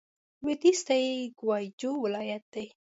لوېدیځ ته یې ګوای جو ولايت دی.